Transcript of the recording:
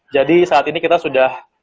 jadi saat ini kita sudah